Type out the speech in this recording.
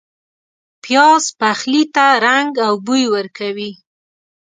پیاز پخلي ته رنګ او بوی ورکوي